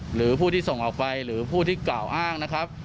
หรือผู้ที่ส่งออกไปหรือผู้ที่กล่าวอ้างนะครับ